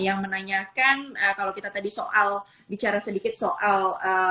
yang menanyakan kalau kita tadi soal bicara sedikit soal